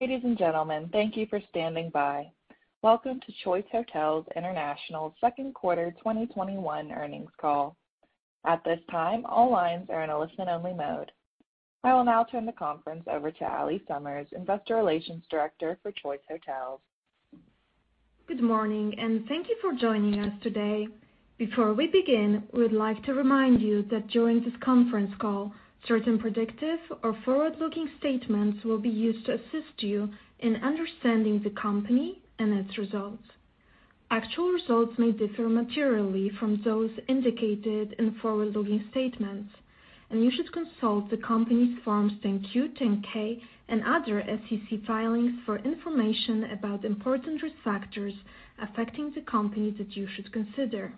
Ladies and gentlemen, thank you for standing by. Welcome to Choice Hotels International's second quarter 2021 earnings call. At this time, all lines are in a listen-only mode. I will now turn the conference over to Allie Summers, Investor Relations Director for Choice Hotels. Good morning, and thank you for joining us today. Before we begin, we'd like to remind you that during this conference call, certain predictive or forward-looking statements will be used to assist you in understanding the company and its results. Actual results may differ materially from those indicated in forward-looking statements, and you should consult the company's Forms 10-Q, 10-K, and other SEC filings for information about important risk factors affecting the company that you should consider.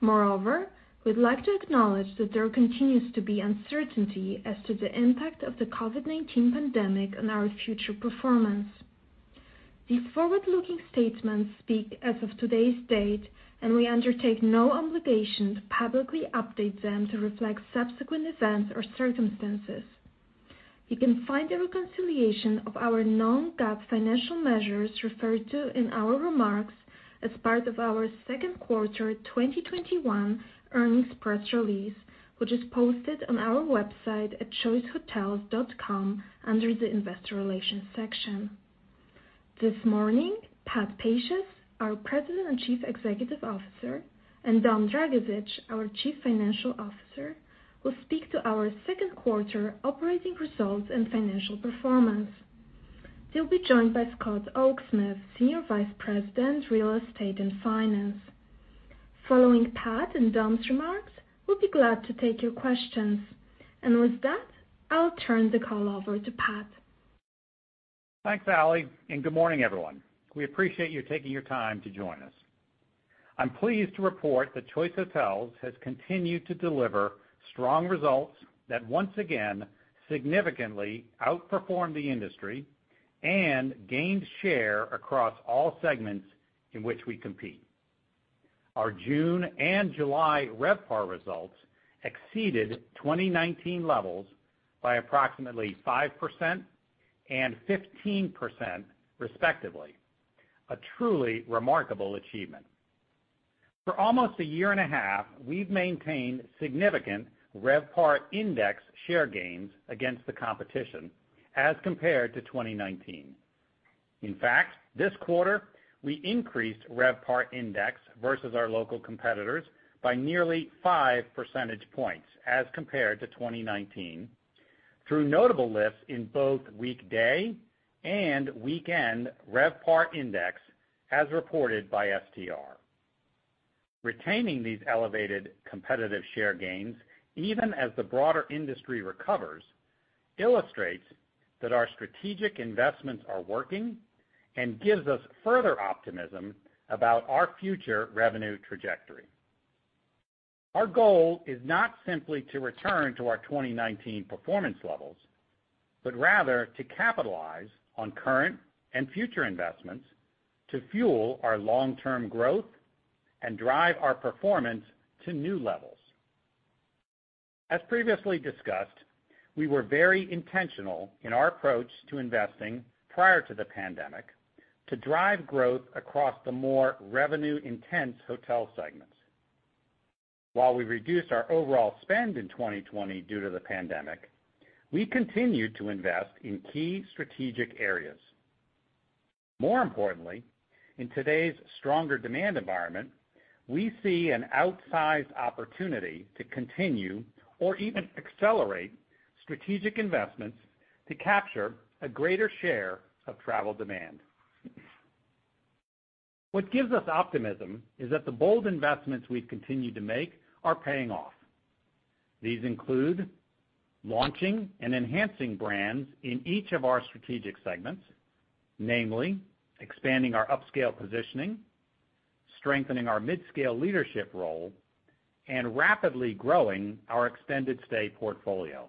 Moreover, we'd like to acknowledge that there continues to be uncertainty as to the impact of the COVID-19 pandemic on our future performance. These forward-looking statements speak as of today's date, and we undertake no obligation to publicly update them to reflect subsequent events or circumstances. You can find a reconciliation of our non-GAAP financial measures referred to in our remarks as part of our second quarter 2021 earnings press release, which is posted on our website at choicehotels.com under the investor relations section. This morning, Pat Pacious, our President and Chief Executive Officer, and Dom Dragisich, our Chief Financial Officer, will speak to our second quarter operating results and financial performance. They'll be joined by Scott Oaksmith, Senior Vice President, Real Estate and Finance. Following Pat and Dom's remarks, we'll be glad to take your questions. With that, I'll turn the call over to Pat. Thanks, Allie, good morning, everyone. We appreciate you taking your time to join us. I'm pleased to report that Choice Hotels has continued to deliver strong results that once again, significantly outperformed the industry and gained share across all segments in which we compete. Our June and July RevPAR results exceeded 2019 levels by approximately 5% and 15% respectively, a truly remarkable achievement. For almost a year and a half, we've maintained significant RevPAR index share gains against the competition as compared to 2019. In fact, this quarter, we increased RevPAR index versus our local competitors by nearly five percentage points as compared to 2019 through notable lifts in both weekday and weekend RevPAR index, as reported by STR. Retaining these elevated competitive share gains, even as the broader industry recovers, illustrates that our strategic investments are working and gives us further optimism about our future revenue trajectory. Our goal is not simply to return to our 2019 performance levels, but rather to capitalize on current and future investments to fuel our long-term growth and drive our performance to new levels. As previously discussed, we were very intentional in our approach to investing prior to the pandemic to drive growth across the more revenue-intense hotel segments. While we reduced our overall spend in 2020 due to the pandemic, we continued to invest in key strategic areas. More importantly, in today's stronger demand environment, we see an outsized opportunity to continue or even accelerate strategic investments to capture a greater share of travel demand. What gives us optimism is that the bold investments we've continued to make are paying off. These include launching and enhancing brands in each of our strategic segments, namely expanding our upscale positioning, strengthening our mid-scale leadership role, and rapidly growing our extended stay portfolio.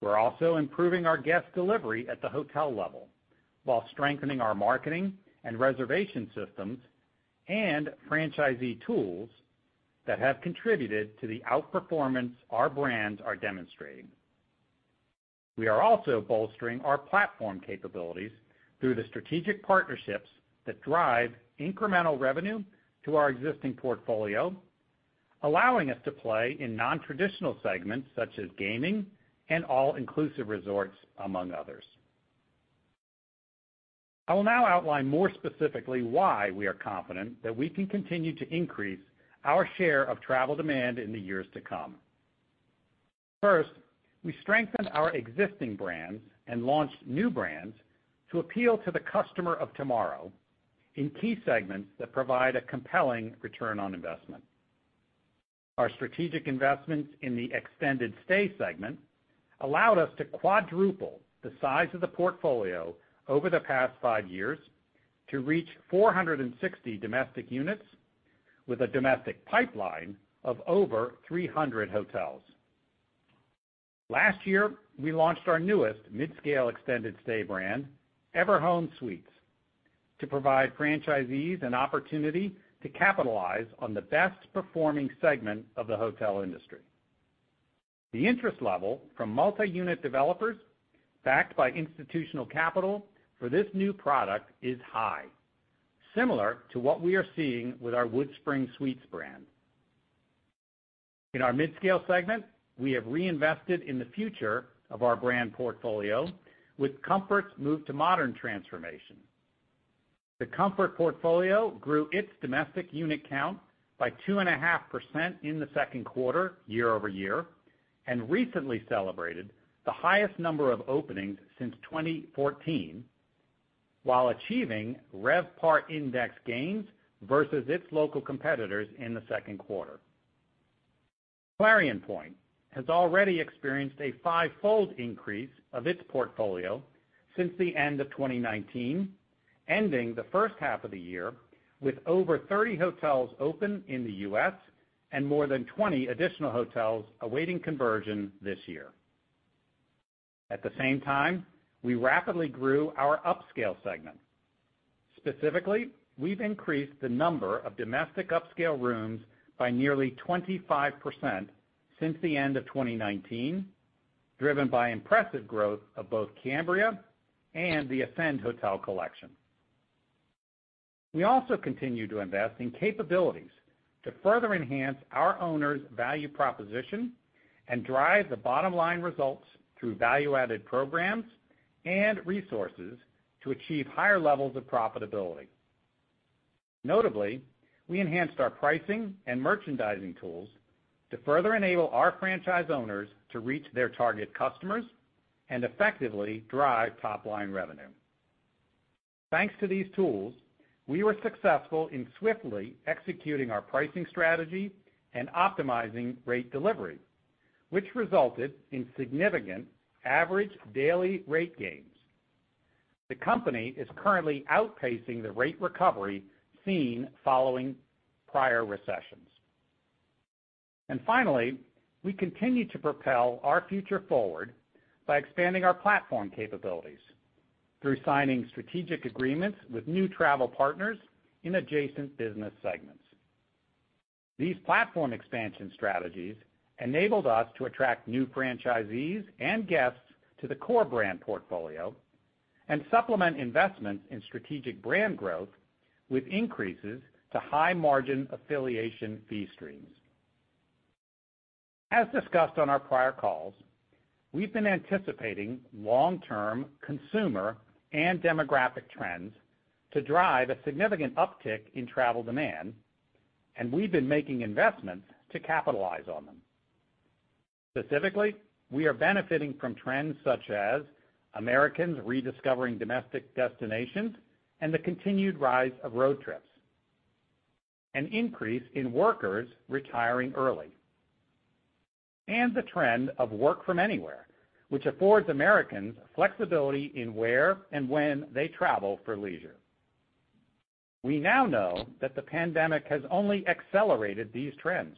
We're also improving our guest delivery at the hotel level while strengthening our marketing and reservation systems and franchisee tools that have contributed to the outperformance our brands are demonstrating. We are also bolstering our platform capabilities through the strategic partnerships that drive incremental revenue to our existing portfolio, allowing us to play in non-traditional segments such as gaming and all-inclusive resorts, among others. I will now outline more specifically why we are confident that we can continue to increase our share of travel demand in the years to come. First, we strengthened our existing brands and launched new brands to appeal to the customer of tomorrow in key segments that provide a compelling return on investment. Our strategic investments in the extended stay segment allowed us to quadruple the size of the portfolio over the past five years to reach 460 domestic units with a domestic pipeline of over 300 hotels. Last year, we launched our newest midscale extended stay brand, Everhome Suites. To provide franchisees an opportunity to capitalize on the best performing segment of the hotel industry. The interest level from multi-unit developers, backed by institutional capital for this new product is high, similar to what we are seeing with our WoodSpring Suites brand. In our mid-scale segment, we have reinvested in the future of our brand portfolio with Comfort's Move to Modern transformation. The Comfort portfolio grew its domestic unit count by 2.5% in the second quarter year-over-year, and recently celebrated the highest number of openings since 2014, while achieving RevPAR index gains versus its local competitors in the second quarter. Clarion Pointe has already experienced a five-fold increase of its portfolio since the end of 2019, ending the first half of the year with over 30 hotels open in the U.S. and more than 20 additional hotels awaiting conversion this year. At the same time, we rapidly grew our upscale segment. Specifically, we've increased the number of domestic upscale rooms by nearly 25% since the end of 2019, driven by impressive growth of both Cambria and the Ascend Hotel Collection. We also continue to invest in capabilities to further enhance our owners' value proposition and drive the bottom line results through value-added programs and resources to achieve higher levels of profitability. Notably, we enhanced our pricing and merchandising tools to further enable our franchise owners to reach their target customers and effectively drive top-line revenue. Thanks to these tools, we were successful in swiftly executing our pricing strategy and optimizing rate delivery, which resulted in significant average daily rate gains. The company is currently outpacing the rate recovery seen following prior recessions. Finally, we continue to propel our future forward by expanding our platform capabilities through signing strategic agreements with new travel partners in adjacent business segments. These platform expansion strategies enabled us to attract new franchisees and guests to the core brand portfolio and supplement investment in strategic brand growth with increases to high-margin affiliation fee streams. As discussed on our prior calls, we've been anticipating long-term consumer and demographic trends to drive a significant uptick in travel demand, and we've been making investments to capitalize on them. Specifically, we are benefiting from trends such as Americans rediscovering domestic destinations and the continued rise of road trips, an increase in workers retiring early, and the trend of work from anywhere, which affords Americans flexibility in where and when they travel for leisure. We now know that the pandemic has only accelerated these trends,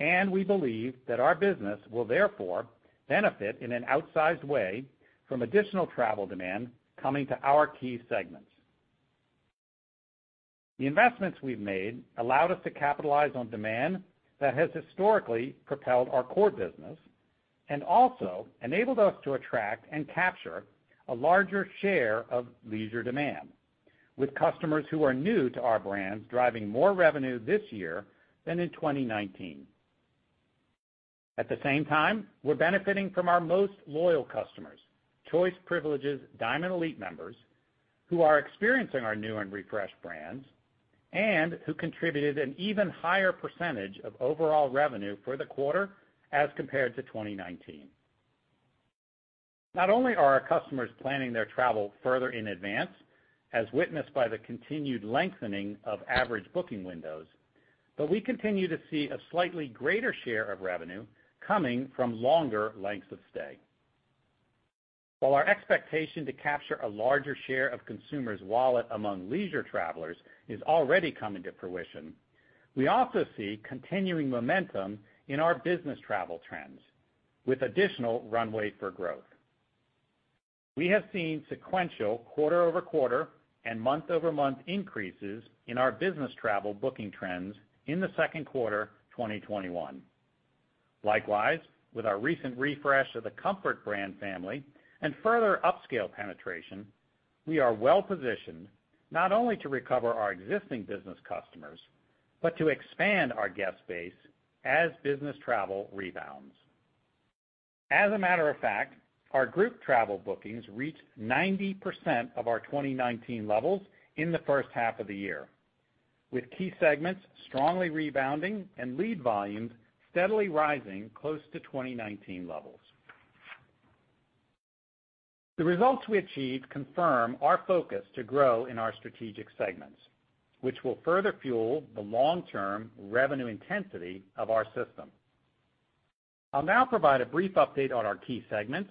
and we believe that our business will therefore benefit in an outsized way from additional travel demand coming to our key segments. The investments we've made allowed us to capitalize on demand that has historically propelled our core business and also enabled us to attract and capture a larger share of leisure demand with customers who are new to our brands driving more revenue this year than in 2019. At the same time, we're benefiting from our most loyal customers, Choice Privileges Diamond Elite members, who are experiencing our new and refreshed brands, and who contributed an even higher percentage of overall revenue for the quarter as compared to 2019. Not only are our customers planning their travel further in advance, as witnessed by the continued lengthening of average booking windows, but we continue to see a slightly greater share of revenue coming from longer lengths of stay. While our expectation to capture a larger share of consumers' wallet among leisure travelers is already coming to fruition, we also see continuing momentum in our business travel trends with additional runway for growth. We have seen sequential quarter-over-quarter and month-over-month increases in our business travel booking trends in the second quarter 2021. Likewise, with our recent refresh of the Comfort brand family and further upscale penetration, we are well positioned not only to recover our existing business customers, but to expand our guest base as business travel rebounds. As a matter of fact, our group travel bookings reached 90% of our 2019 levels in the first half of the year, with key segments strongly rebounding and lead volumes steadily rising close to 2019 levels. The results we achieved confirm our focus to grow in our strategic segments, which will further fuel the long-term revenue intensity of our system. I'll now provide a brief update on our key segments,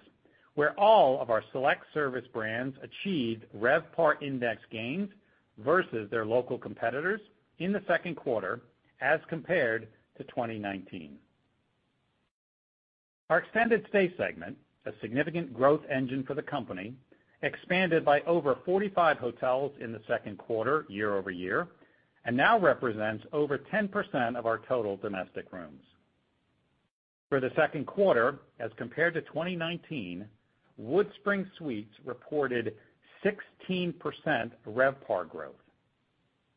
where all of our select service brands achieved RevPAR index gains versus their local competitors in the second quarter as compared to 2019. Our extended stay segment, a significant growth engine for the company, expanded by over 45 hotels in the second quarter year-over-year, and now represents over 10% of our total domestic rooms. For the second quarter as compared to 2019, WoodSpring Suites reported 16% RevPAR growth,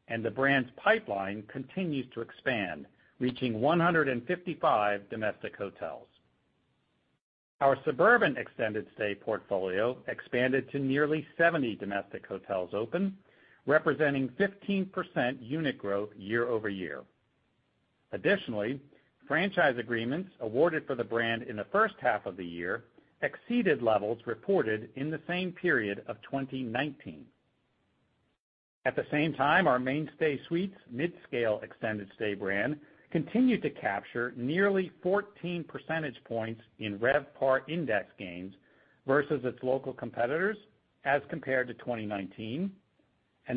and the brand's pipeline continues to expand, reaching 155 domestic hotels. Our Suburban Extended Stay portfolio expanded to nearly 70 domestic hotels open, representing 15% unit growth year-over-year. Additionally, franchise agreements awarded for the brand in the first half of the year exceeded levels reported in the same period of 2019. At the same time, our MainStay Suites mid-scale extended stay brand continued to capture nearly 14 percentage points in RevPAR index gains versus its local competitors as compared to 2019.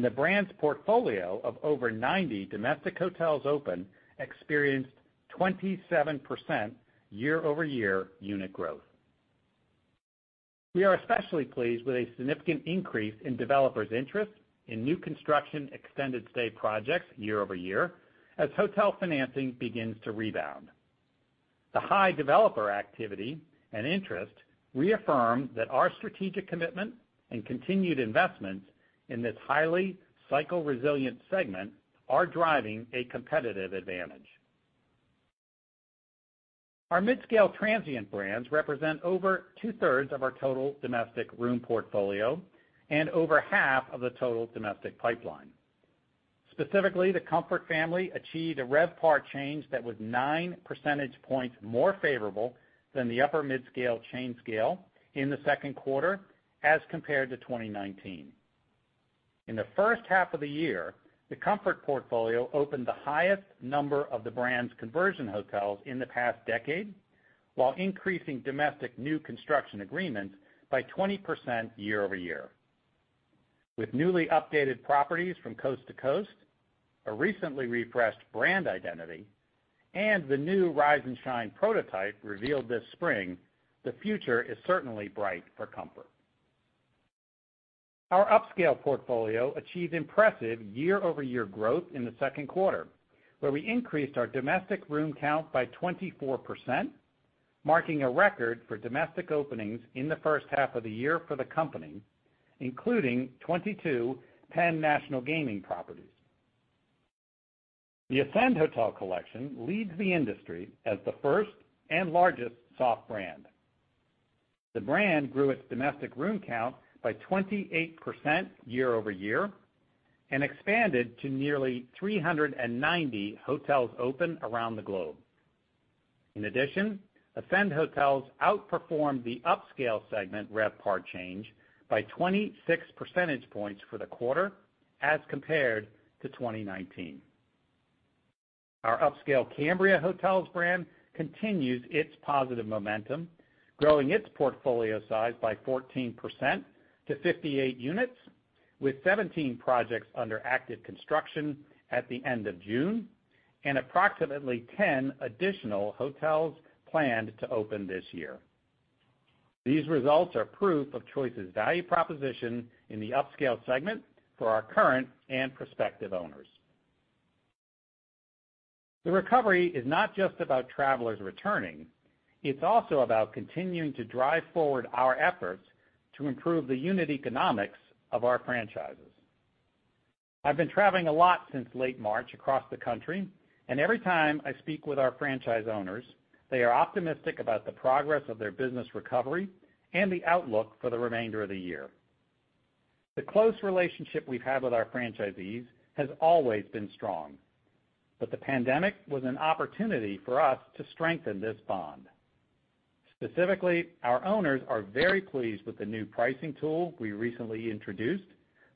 The brand's portfolio of over 90 domestic hotels open experienced 27% year-over-year unit growth. We are especially pleased with a significant increase in developers' interest in new construction extended stay projects year-over-year as hotel financing begins to rebound. The high developer activity and interest reaffirm that our strategic commitment and continued investments in this highly cycle-resilient segment are driving a competitive advantage. Our mid-scale transient brands represent over two-thirds of our total domestic room portfolio and over half of the total domestic pipeline. Specifically, the Comfort family achieved a RevPAR change that was nine percentage points more favorable than the upper mid-scale chain scale in the second quarter as compared to 2019. In the first half of the year, the Comfort portfolio opened the highest number of the brand's conversion hotels in the past decade while increasing domestic new construction agreements by 20% year-over-year. With newly updated properties from coast to coast, a recently refreshed brand identity, and the new Rise and Shine prototype revealed this spring, the future is certainly bright for Comfort. Our upscale portfolio achieved impressive year-over-year growth in the second quarter, where we increased our domestic room count by 24%, marking a record for domestic openings in the first half of the year for the company, including 22 Penn National Gaming properties. The Ascend Hotel Collection leads the industry as the first and largest soft brand. The brand grew its domestic room count by 28% year-over-year and expanded to nearly 390 hotels open around the globe. In addition, Ascend Hotels outperformed the upscale segment RevPAR change by 26 percentage points for the quarter as compared to 2019. Our upscale Cambria Hotels brand continues its positive momentum, growing its portfolio size by 14% to 58 units, with 17 projects under active construction at the end of June, and approximately 10 additional hotels planned to open this year. These results are proof of Choice's value proposition in the upscale segment for our current and prospective owners. The recovery is not just about travelers returning. It's also about continuing to drive forward our efforts to improve the unit economics of our franchises. I've been traveling a lot since late March across the country, and every time I speak with our franchise owners, they are optimistic about the progress of their business recovery and the outlook for the remainder of the year. The close relationship we've had with our franchisees has always been strong, but the pandemic was an opportunity for us to strengthen this bond. Specifically, our owners are very pleased with the new pricing tool we recently introduced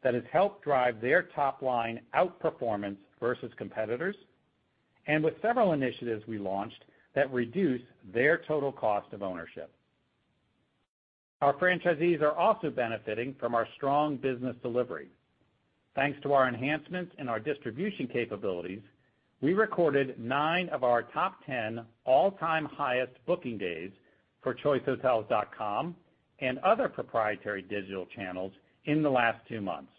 that has helped drive their top-line outperformance versus competitors, and with several initiatives we launched that reduce their total cost of ownership. Our franchisees are also benefiting from our strong business delivery. Thanks to our enhancements in our distribution capabilities, we recorded nine of our top 10 all-time highest booking days for choicehotels.com and other proprietary digital channels in the last two months.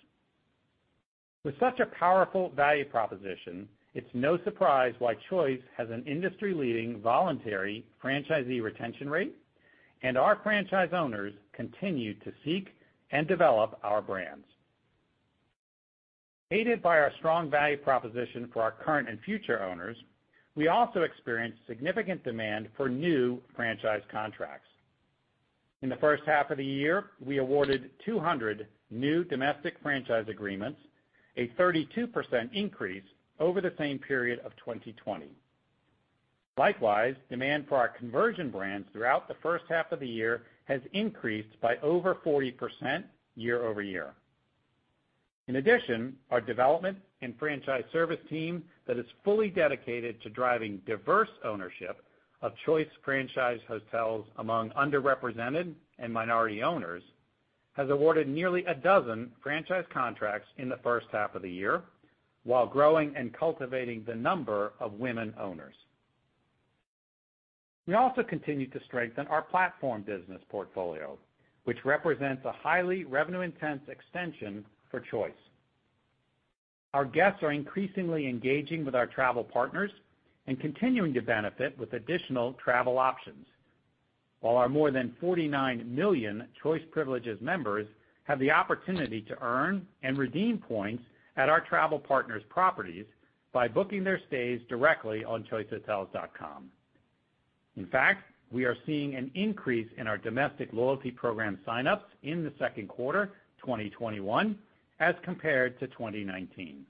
With such a powerful value proposition, it's no surprise why Choice has an industry-leading voluntary franchisee retention rate, and our franchise owners continue to seek and develop our brands. Aided by our strong value proposition for our current and future owners, we also experienced significant demand for new franchise contracts. In the first half of the year, we awarded 200 new domestic franchise agreements, a 32% increase over the same period of 2020. Likewise, demand for our conversion brands throughout the first half of the year has increased by over 40% year-over-year. In addition, our development and franchise service team that is fully dedicated to driving diverse ownership of Choice franchise hotels among underrepresented and minority owners has awarded nearly a dozen franchise contracts in the first half of the year, while growing and cultivating the number of women owners. We also continue to strengthen our platform business portfolio, which represents a highly revenue-intense extension for Choice. Our guests are increasingly engaging with our travel partners and continuing to benefit with additional travel options. While our more than 49 million Choice Privileges members have the opportunity to earn and redeem points at our travel partners' properties by booking their stays directly on choicehotels.com. In fact, we are seeing an increase in our domestic loyalty program sign-ups in the second quarter 2021 as compared to 2019.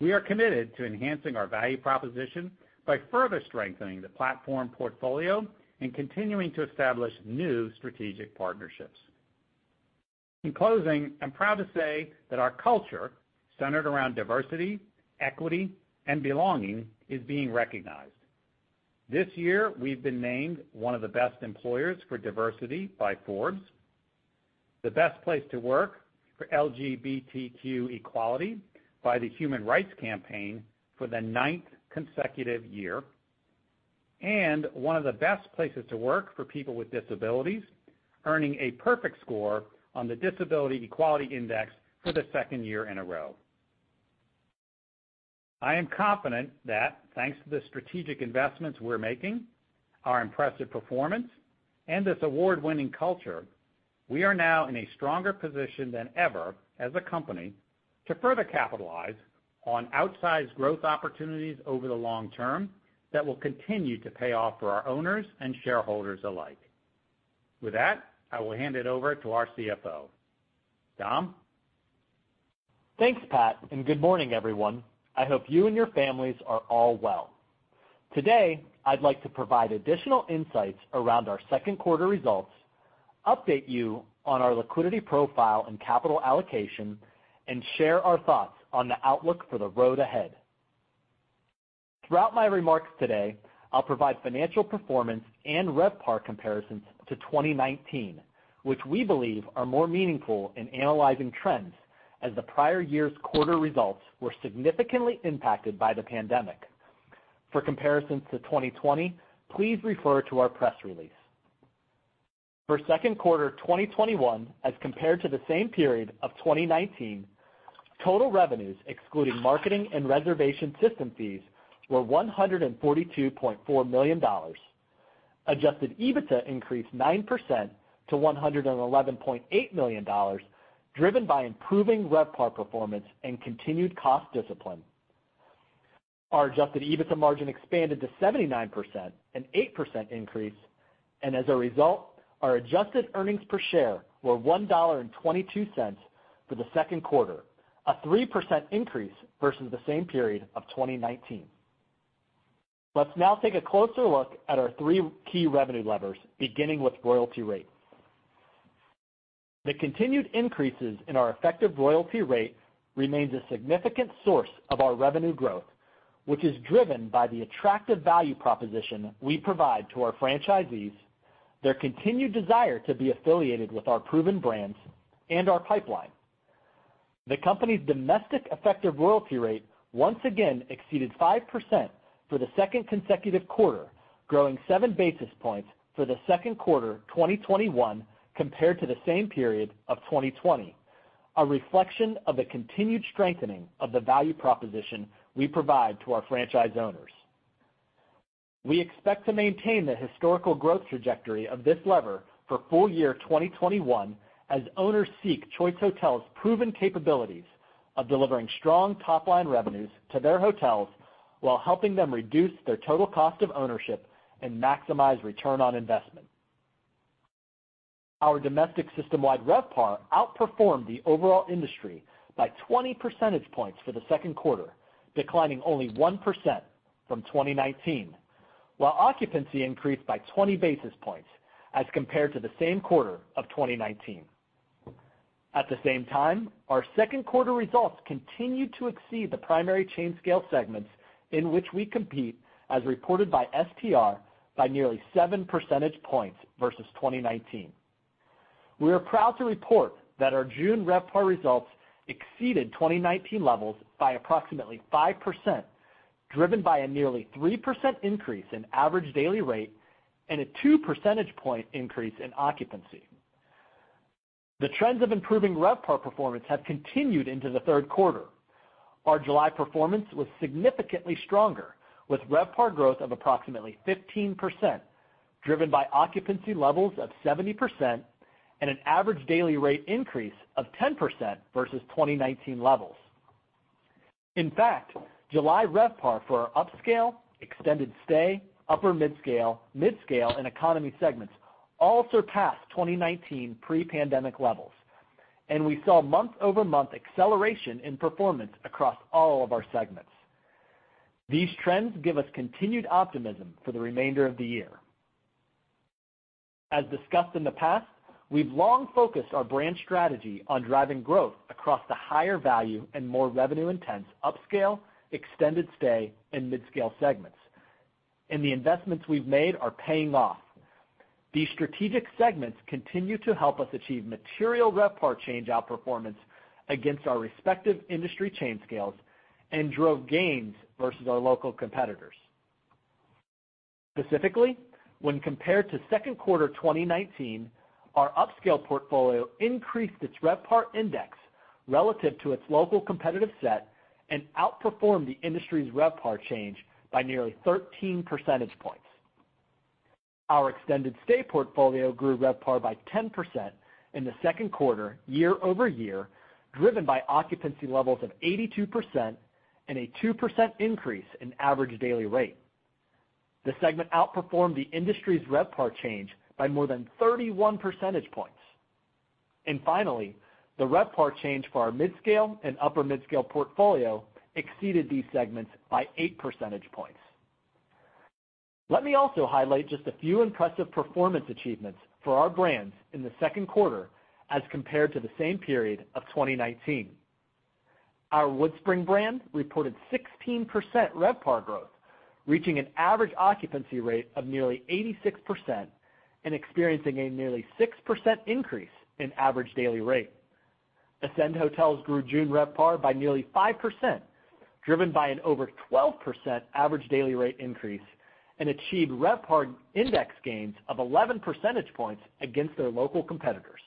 We are committed to enhancing our value proposition by further strengthening the platform portfolio and continuing to establish new strategic partnerships. In closing, I'm proud to say that our culture, centered around diversity, equity, and belonging, is being recognized. This year, we've been named one of the best employers for diversity by Forbes, the best place to work for LGBTQ equality by the Human Rights Campaign for the ninth consecutive year, and one of the best places to work for people with disabilities, earning a perfect score on the Disability Equality Index for the second year in a row. I am confident that thanks to the strategic investments we're making, our impressive performance, and this award-winning culture, we are now in a stronger position than ever as a company to further capitalize on outsized growth opportunities over the long term that will continue to pay off for our owners and shareholders alike. With that, I will hand it over to our CFO. Dom? Thanks, Pat. Good morning, everyone. I hope you and your families are all well. Today, I'd like to provide additional insights around our second quarter results, update you on our liquidity profile and capital allocation, and share our thoughts on the outlook for the road ahead. Throughout my remarks today, I'll provide financial performance and RevPAR comparisons to 2019, which we believe are more meaningful in analyzing trends, as the prior year's quarter results were significantly impacted by the pandemic. For comparisons to 2020, please refer to our press release. For second quarter 2021 as compared to the same period of 2019, total revenues excluding marketing and reservation system fees were $142.4 million. Adjusted EBITDA increased 9% to $111.8 million, driven by improving RevPAR performance and continued cost discipline. Our adjusted EBITDA margin expanded to 79%, an 8% increase, and as a result, our adjusted earnings per share were $1.22 for the second quarter, a 3% increase versus the same period of 2019. Let's now take a closer look at our three key revenue levers, beginning with royalty rate. The continued increases in our effective royalty rate remains a significant source of our revenue growth, which is driven by the attractive value proposition we provide to our franchisees, their continued desire to be affiliated with our proven brands, and our pipeline. The company's domestic effective royalty rate once again exceeded 5% for the second consecutive quarter, growing 7 basis points for the second quarter 2021 compared to the same period of 2020, a reflection of the continued strengthening of the value proposition we provide to our franchise owners. We expect to maintain the historical growth trajectory of this lever for full year 2021 as owners seek Choice Hotels' proven capabilities of delivering strong top-line revenues to their hotels while helping them reduce their total cost of ownership and maximize return on investment. Our domestic system-wide RevPAR outperformed the overall industry by 20 percentage points for the second quarter, declining only 1% from 2019, while occupancy increased by 20 basis points as compared to the same quarter of 2019. At the same time, our second quarter results continued to exceed the primary chain scale segments in which we compete, as reported by STR, by nearly seven percentage points versus 2019. We are proud to report that our June RevPAR results exceeded 2019 levels by approximately 5%, driven by a nearly 3% increase in average daily rate and a two percentage point increase in occupancy. The trends of improving RevPAR performance have continued into the third quarter. Our July performance was significantly stronger, with RevPAR growth of approximately 15%, driven by occupancy levels of 70% and an average daily rate increase of 10% versus 2019 levels. In fact, July RevPAR for our upscale, extended stay, upper midscale, and economy segments all surpassed 2019 pre-pandemic levels, and we saw month-over-month acceleration in performance across all of our segments. These trends give us continued optimism for the remainder of the year. As discussed in the past, we've long focused our brand strategy on driving growth across the higher value and more revenue-intense upscale, extended stay, and midscale segments. The investments we've made are paying off. These strategic segments continue to help us achieve material RevPAR change outperformance against our respective industry chain scales and drove gains versus our local competitors. Specifically, when compared to second quarter 2019, our upscale portfolio increased its RevPAR index relative to its local competitive set and outperformed the industry's RevPAR change by nearly 13 percentage points. Our extended-stay portfolio grew RevPAR by 10% in the second quarter year-over-year, driven by occupancy levels of 82% and a 2% increase in average daily rate. The segment outperformed the industry's RevPAR change by more than 31 percentage points. Finally, the RevPAR change for our midscale and upper midscale portfolio exceeded these segments by eight percentage points. Let me also highlight just a few impressive performance achievements for our brands in the second quarter as compared to the same period of 2019. Our WoodSpring brand reported 16% RevPAR growth, reaching an average occupancy rate of nearly 86% and experiencing a nearly 6% increase in average daily rate. Ascend Hotels grew June RevPAR by nearly 5%, driven by an over 12% average daily rate increase, and achieved RevPAR index gains of 11 percentage points against their local competitors,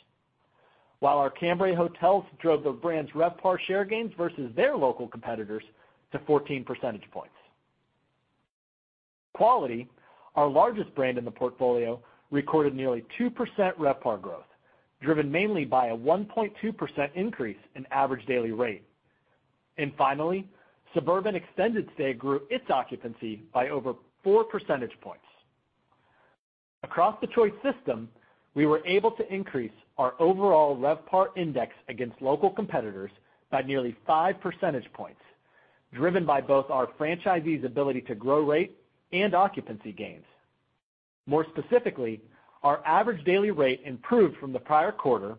while our Cambria Hotels drove the brand's RevPAR share gains versus their local competitors to 14 percentage points. Quality, our largest brand in the portfolio, recorded nearly 2% RevPAR growth, driven mainly by a 1.2% increase in average daily rate. Finally, Suburban Extended Stay Hotel grew its occupancy by over four percentage points. Across the Choice system, we were able to increase our overall RevPAR index against local competitors by nearly five percentage points, driven by both our franchisees' ability to grow rate and occupancy gains. More specifically, our ADR improved from the prior quarter,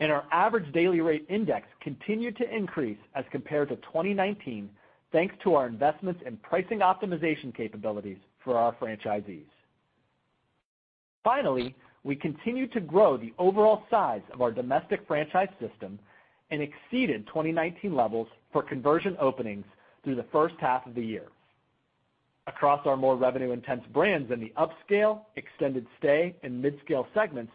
and our ADR index continued to increase as compared to 2019, thanks to our investments in pricing optimization capabilities for our franchisees. We continued to grow the overall size of our domestic franchise system and exceeded 2019 levels for conversion openings through the first half of the year. Across our more revenue-intense brands in the upscale, extended stay, and midscale segments,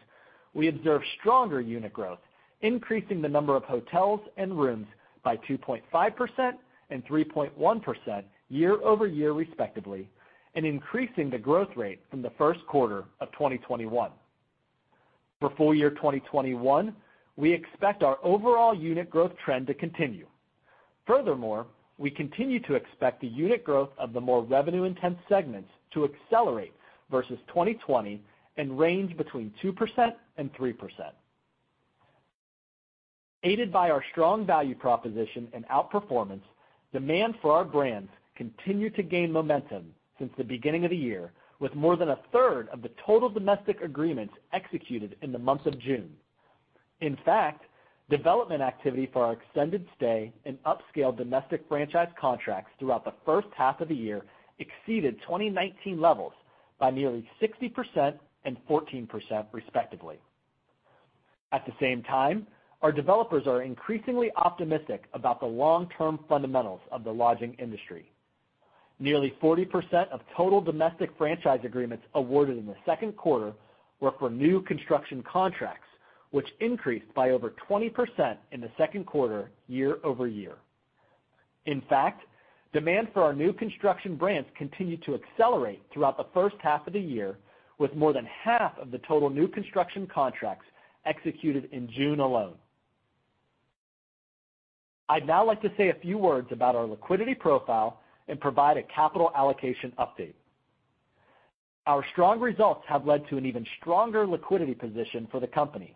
we observed stronger unit growth, increasing the number of hotels and rooms by 2.5% and 3.1% year-over-year, respectively, and increasing the growth rate from the first quarter of 2021. For full year 2021, we expect our overall unit growth trend to continue. We continue to expect the unit growth of the more revenue-intense segments to accelerate versus 2020 and range between 2% and 3%. Aided by our strong value proposition and outperformance, demand for our brands continued to gain momentum since the beginning of the year, with more than a third of the total domestic agreements executed in the month of June. In fact, development activity for our extended-stay in upscale domestic franchise contracts throughout the first half of the year exceeded 2019 levels by nearly 60% and 14%, respectively. At the same time, our developers are increasingly optimistic about the long-term fundamentals of the lodging industry. Nearly 40% of total domestic franchise agreements awarded in the second quarter were for new construction contracts, which increased by over 20% in the second quarter year-over-year. In fact, demand for our new construction brands continued to accelerate throughout the first half of the year, with more than half of the total new construction contracts executed in June alone. I'd now like to say a few words about our liquidity profile and provide a capital allocation update. Our strong results have led to an even stronger liquidity position for the company.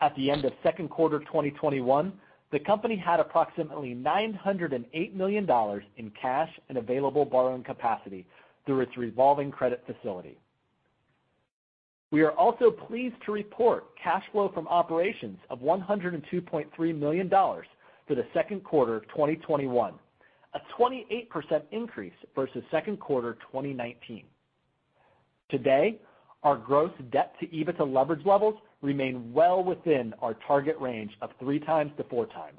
At the end of second quarter 2021, the company had approximately $908 million in cash and available borrowing capacity through its revolving credit facility. We are also pleased to report cash flow from operations of $102.3 million for the second quarter of 2021, a 28% increase versus second quarter 2019. Today, our gross debt to EBITDA leverage levels remain well within our target range of three times to four times.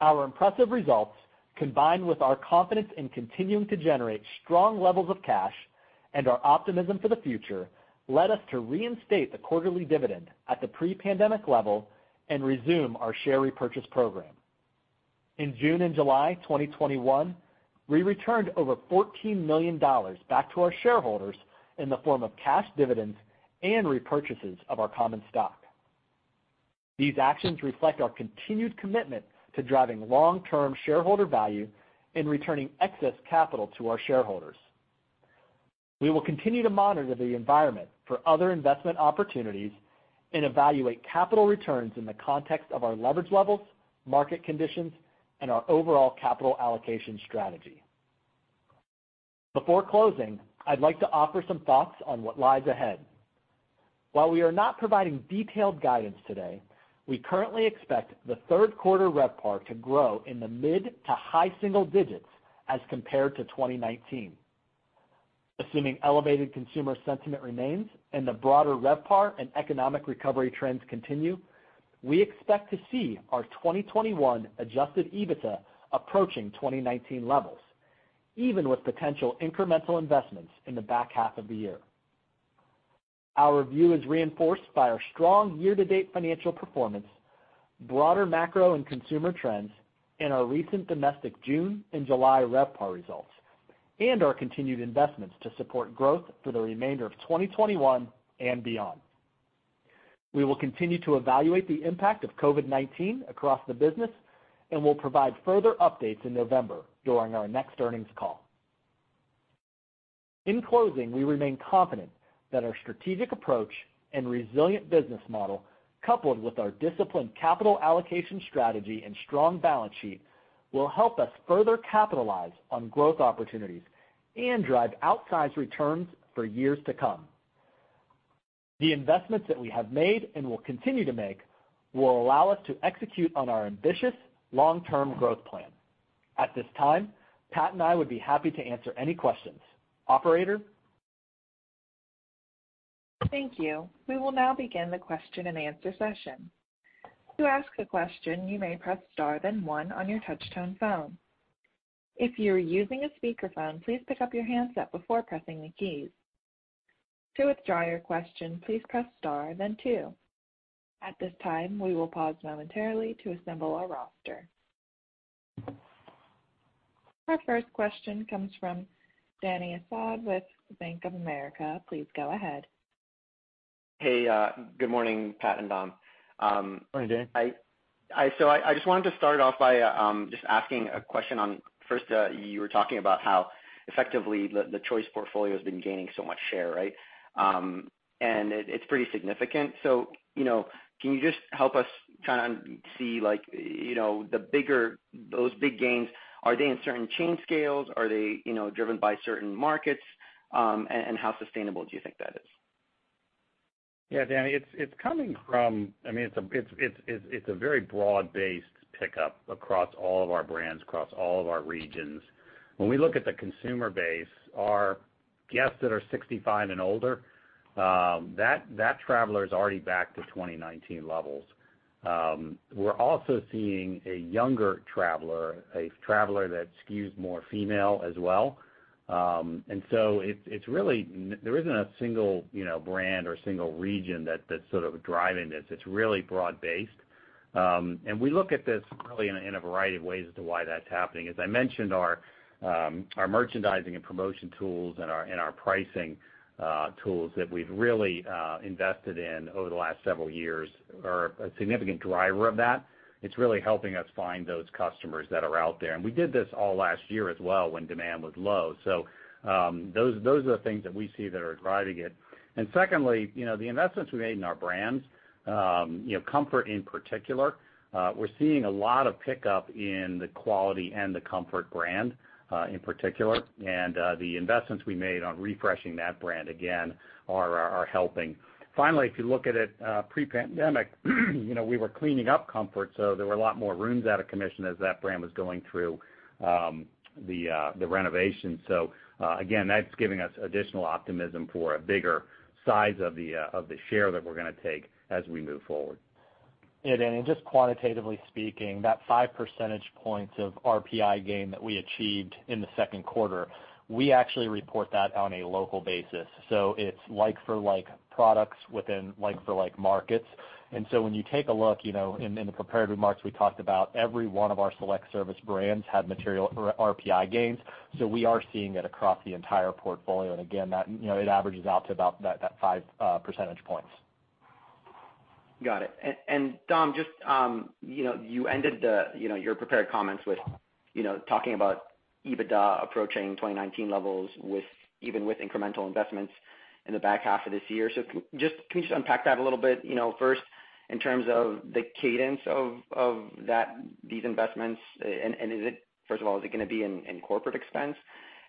Our impressive results, combined with our confidence in continuing to generate strong levels of cash and our optimism for the future, led us to reinstate the quarterly dividend at the pre-pandemic level and resume our share repurchase program. In June and July 2021, we returned over $14 million back to our shareholders in the form of cash dividends and repurchases of our common stock. These actions reflect our continued commitment to driving long-term shareholder value and returning excess capital to our shareholders. We will continue to monitor the environment for other investment opportunities and evaluate capital returns in the context of our leverage levels, market conditions, and our overall capital allocation strategy. Before closing, I'd like to offer some thoughts on what lies ahead. While we are not providing detailed guidance today, we currently expect the third quarter RevPAR to grow in the mid to high single digits as compared to 2019. Assuming elevated consumer sentiment remains and the broader RevPAR and economic recovery trends continue, we expect to see our 2021 adjusted EBITDA approaching 2019 levels, even with potential incremental investments in the back half of the year. Our view is reinforced by our strong year-to-date financial performance, broader macro and consumer trends, and our recent domestic June and July RevPAR results, and our continued investments to support growth for the remainder of 2021 and beyond. We will continue to evaluate the impact of COVID-19 across the business, and we'll provide further updates in November during our next earnings call. In closing, we remain confident that our strategic approach and resilient business model, coupled with our disciplined capital allocation strategy and strong balance sheet, will help us further capitalize on growth opportunities and drive outsized returns for years to come. The investments that we have made and will continue to make will allow us to execute on our ambitious long-term growth plan. At this time, Pat and I would be happy to answer any questions. Operator? Thank you. We will now begin the question-and-answer session. To ask a question you may press star then one on your touch-tone phone. If you are using a speaker phone please pick up your handset before pressing the keys. To withdraw your question please press star then two. At this time we will pause momentarily to assemble our roster. Our first question comes from Dany Asad with Bank of America. Please go ahead. Hey, good morning, Pat and Dom. Morning, Dany. I just wanted to start off by just asking a question on, first, you were talking about how effectively the Choice portfolio has been gaining so much share, right? It's pretty significant. Can you just help us try and see those big gains? Are they in certain chain scales? Are they driven by certain markets? How sustainable do you think that is? Yeah, Dany, it's a very broad-based pickup across all of our brands, across all of our regions. When we look at the consumer base, our guests that are 65 and older, that traveler is already back to 2019 levels. We're also seeing a younger traveler, a traveler that skews more female as well. There isn't a single brand or a single region that's sort of driving this. It's really broad-based. We look at this really in a variety of ways as to why that's happening. As I mentioned, our merchandising and promotion tools and our pricing tools that we've really invested in over the last several years are a significant driver of that. It's really helping us find those customers that are out there. We did this all last year as well when demand was low. Those are the things that we see that are driving it. Secondly, the investments we made in our brands, Comfort in particular. We're seeing a lot of pickup in the Quality and the Comfort brand in particular, and the investments we made on refreshing that brand again are helping. Finally, if you look at it pre-pandemic, we were cleaning up Comfort, so there were a lot more rooms out of commission as that brand was going through the renovation. Again, that's giving us additional optimism for a bigger size of the share that we're going to take as we move forward. Yeah, Dany, just quantitatively speaking, that five percentage points of RPI gain that we achieved in the second quarter, we actually report that on a local basis. It's like-for-like products within like-for-like markets. When you take a look, in the prepared remarks we talked about every one of our select service brands had material RPI gains. We are seeing it across the entire portfolio, and again, it averages out to about that five percentage points. Got it. Dom, you ended your prepared comments with talking about EBITDA approaching 2019 levels even with incremental investments in the back half of this year. Can you just unpack that a little bit? First, in terms of the cadence of these investments, first of all, is it going to be in corporate expense?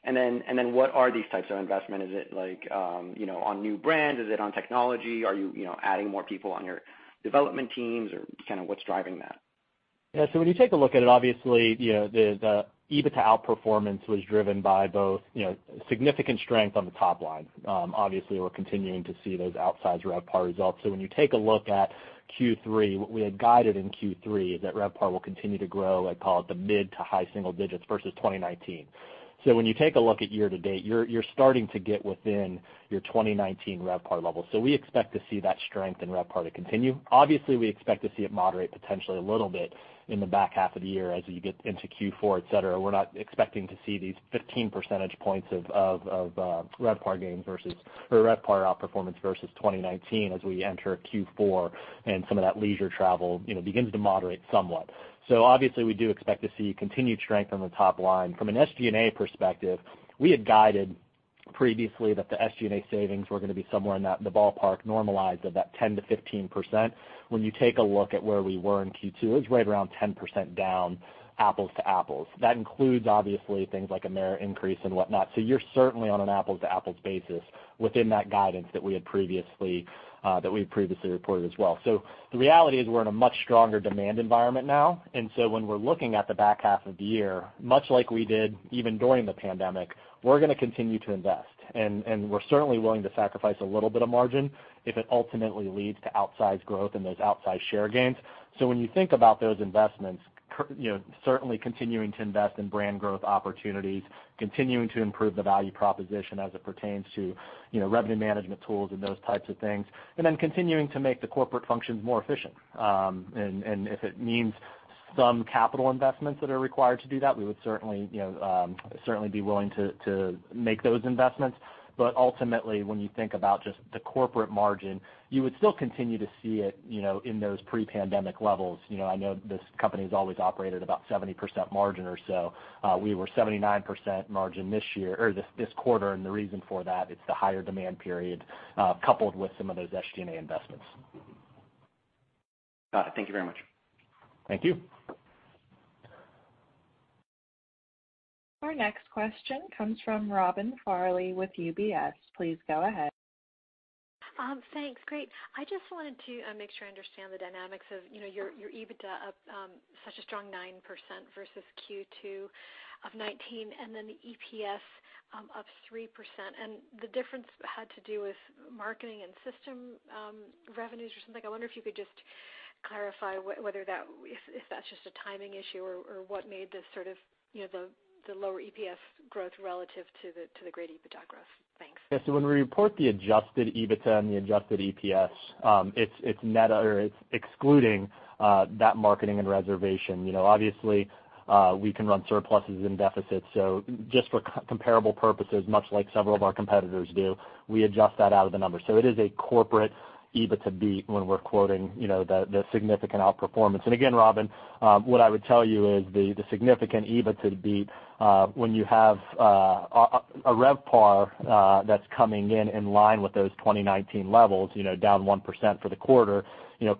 Then what are these types of investment? Is it on new brands? Is it on technology? Are you adding more people on your development teams? Or kind of what's driving that? When you take a look at it, obviously, the EBITDA outperformance was driven by both significant strength on the top line. Obviously, we're continuing to see those outsized RevPAR results. When you take a look at Q3, what we had guided in Q3 is that RevPAR will continue to grow, I'd call it the mid to high single digits versus 2019. When you take a look at year to date, you're starting to get within your 2019 RevPAR level. We expect to see that strength in RevPAR to continue. Obviously, we expect to see it moderate potentially a little bit in the back half of the year as you get into Q4, et cetera. We're not expecting to see these 15 percentage points of RevPAR outperformance versus 2019 as we enter Q4 and some of that leisure travel begins to moderate somewhat. Obviously, we do expect to see continued strength on the top line. From an SG&A perspective, we had guided previously that the SG&A savings were going to be somewhere in the ballpark normalized of that 10%-15%. When you take a look at where we were in Q2, it was right around 10% down, apples to apples. That includes, obviously, things like merit increase and whatnot. You're certainly on an apples-to-apples basis within that guidance that we had previously reported as well. The reality is we're in a much stronger demand environment now. When we're looking at the back half of the year, much like we did even during the pandemic, we're going to continue to invest. We're certainly willing to sacrifice a little bit of margin if it ultimately leads to outsized growth and those outsized share gains. When you think about those investments, certainly continuing to invest in brand growth opportunities, continuing to improve the value proposition as it pertains to revenue management tools and those types of things, and then continuing to make the corporate functions more efficient. If it means some capital investments that are required to do that, we would certainly be willing to make those investments. Ultimately, when you think about just the corporate margin, you would still continue to see it in those pre-pandemic levels. I know this company's always operated about 70% margin or so. We were 79% margin this quarter, and the reason for that, it's the higher demand period coupled with some of those SG&A investments. Got it. Thank you very much. Thank you. Our next question comes from Robin Farley with UBS. Please go ahead. Thanks. Great. I just wanted to make sure I understand the dynamics of your EBITDA up such a strong 9% versus Q2 2019, and then the EPS up 3%. The difference had to do with marketing and system revenues or something. I wonder if you could just clarify if that's just a timing issue or what made the lower EPS growth relative to the great EBITDA growth. Thanks. Yeah. When we report the adjusted EBITDA and the adjusted EPS, it's net or it's excluding that marketing and reservation. Obviously, we can run surpluses and deficits, so just for comparable purposes, much like several of our competitors do, we adjust that out of the number. It is a corporate EBITDA beat when we're quoting the significant outperformance. Again, Robin, what I would tell you is the significant EBITDA beat when you have a RevPAR that's coming in in line with those 2019 levels, down 1% for the quarter,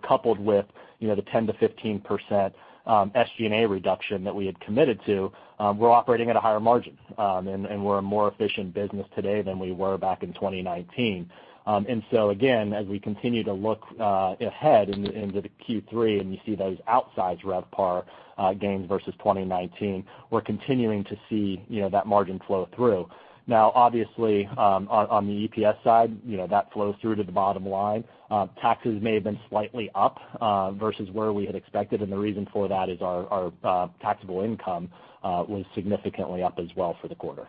coupled with the 10%-15% SG&A reduction that we had committed to, we're operating at a higher margin. We're a more efficient business today than we were back in 2019. Again, as we continue to look ahead into the Q3, and you see those outsized RevPAR gains versus 2019, we're continuing to see that margin flow through. On the EPS side, that flows through to the bottom line. Taxes may have been slightly up versus where we had expected, and the reason for that is our taxable income was significantly up as well for the quarter.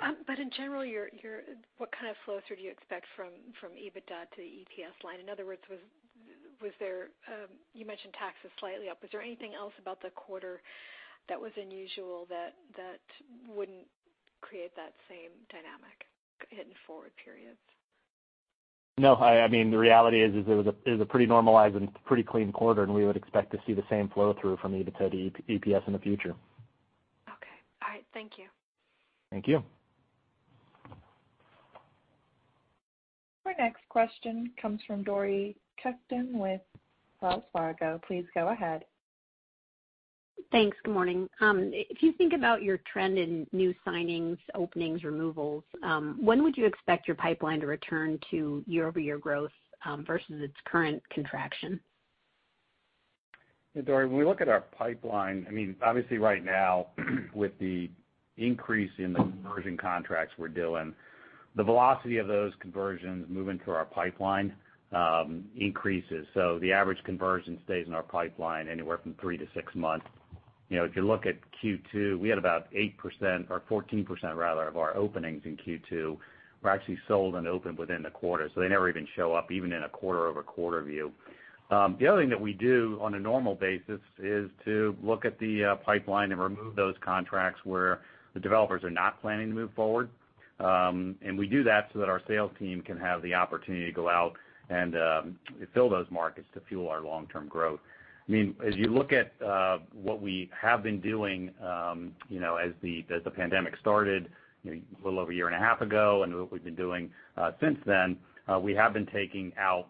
In general, what kind of flow through do you expect from EBITDA to the EPS line? In other words, you mentioned taxes slightly up. Was there anything else about the quarter that was unusual that wouldn't create that same dynamic in forward periods? No. The reality is it was a pretty normalized and pretty clean quarter, and we would expect to see the same flow through from EBITDA to EPS in the future. Okay. All right. Thank you. Thank you. Our next question comes from Dori Kesten with Wells Fargo. Please go ahead. Thanks. Good morning. If you think about your trend in new signings, openings, removals, when would you expect your pipeline to return to year-over-year growth versus its current contraction? Hey, Dori. When we look at our pipeline, obviously right now with the increase in the conversion contracts we're doing, the velocity of those conversions moving through our pipeline increases. The average conversion stays in our pipeline anywhere from three to six months. If you look at Q2, we had about 8%, or 14%, rather, of our openings in Q2 were actually sold and opened within the quarter. They never even show up, even in a quarter-over-quarter view. The other thing that we do on a normal basis is to look at the pipeline and remove those contracts where the developers are not planning to move forward. We do that so that our sales team can have the opportunity to go out and fill those markets to fuel our long-term growth. As you look at what we have been doing as the pandemic started a little over a year and a half ago and what we've been doing since then, we have been taking out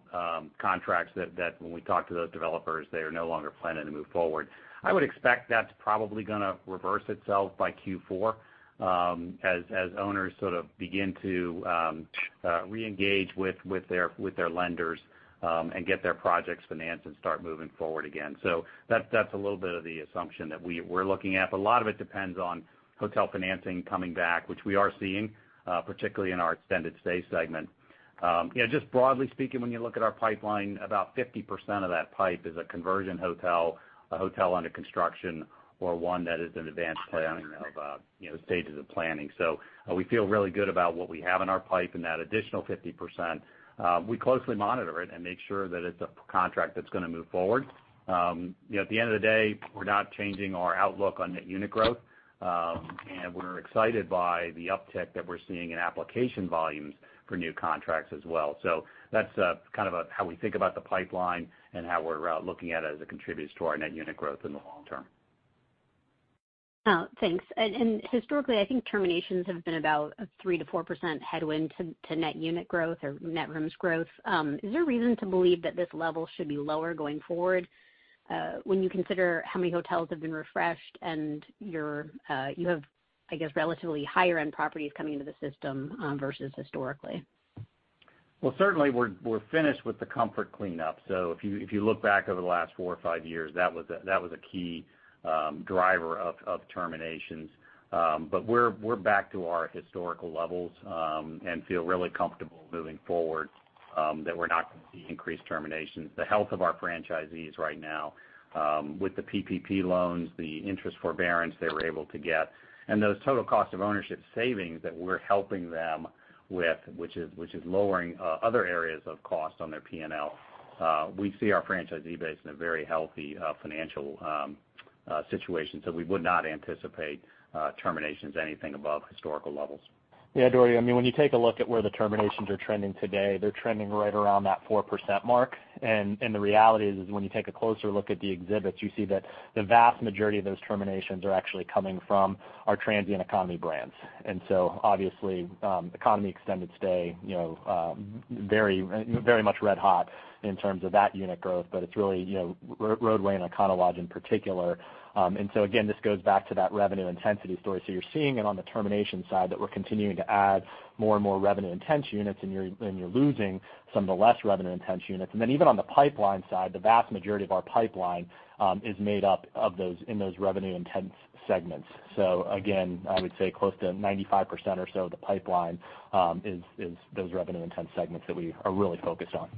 contracts that when we talk to those developers, they are no longer planning to move forward. I would expect that's probably going to reverse itself by Q4 as owners sort of begin to reengage with their lenders and get their projects financed and start moving forward again. That's a little bit of the assumption that we're looking at, but a lot of it depends on hotel financing coming back, which we are seeing, particularly in our extended-stay segment. Just broadly speaking, when you look at our pipeline, about 50% of that pipe is a conversion hotel, a hotel under construction, or one that is in advanced stages of planning. We feel really good about what we have in our pipe, and that additional 50%, we closely monitor it and make sure that it's a contract that's going to move forward. At the end of the day, we're not changing our outlook on net unit growth, and we're excited by the uptick that we're seeing in application volumes for new contracts as well. That's kind of how we think about the pipeline and how we're looking at it as it contributes to our net unit growth in the long term. Oh, thanks. Historically, I think terminations have been about a 3%-4% headwind to net unit growth or net rooms growth. Is there a reason to believe that this level should be lower going forward, when you consider how many hotels have been refreshed and you have, I guess, relatively higher-end properties coming into the system versus historically? Well, certainly we're finished with the Comfort cleanup. If you look back over the last four or five years, that was a key driver of terminations. We're back to our historical levels, and feel really comfortable moving forward that we're not going to see increased terminations. The health of our franchisees right now, with the PPP loans, the interest forbearance they were able to get, and those total cost of ownership savings that we're helping them with, which is lowering other areas of cost on their P&L. We see our franchisee base in a very healthy financial situation, so we would not anticipate terminations anything above historical levels. Yeah, Dori, when you take a look at where the terminations are trending today, they're trending right around that 4% mark. The reality is when you take a closer look at the exhibits, you see that the vast majority of those terminations are actually coming from our transient economy brands. Obviously, economy extended stay, very much red hot in terms of that unit growth, but it's really Rodeway and Econo Lodge in particular. Again, this goes back to that revenue intensity story. You're seeing it on the termination side that we're continuing to add more and more revenue intense units and you're losing some of the less revenue intense units. Even on the pipeline side, the vast majority of our pipeline is made up in those revenue intense segments. Again, I would say close to 95% or so of the pipeline is those revenue intense segments that we are really focused on.